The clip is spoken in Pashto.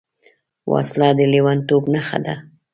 وسله د لېونتوب نښه ده